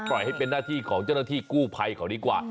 ปล่อยให้เป็นหน้าที่ของเจ้าหน้าที่กู้ภัยเขาดีกว่า